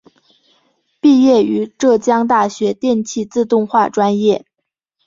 毕业于浙江大学电气自动化专业。